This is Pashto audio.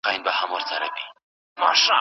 پلار مې وویل چې تل رښتیا خبرې کوئ.